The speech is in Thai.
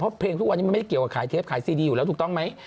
เพราะเพลงทุกวันนี้มันไม่ได้เกี่ยวกับขายเทปขายซีดีอยู่แล้วถูกต้องไหม